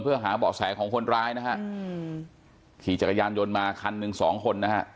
เพื่อหาเบาะแสของคนร้ายนะฮะอืมขี่จักรยานยนต์มาคันหนึ่งสองคนนะฮะ